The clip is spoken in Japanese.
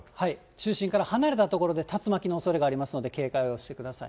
中心から離れた所で竜巻のおそれがありますので、警戒をしてください。